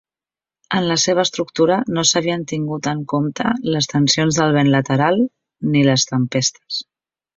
En la seva estructura no s'havien tingut en compte les tensions del vent lateral ni les tempestes.